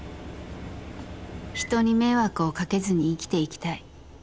［人に迷惑をかけずに生きていきたい］